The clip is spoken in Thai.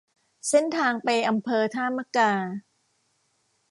เส้นทางไปอำเภอท่ามะกา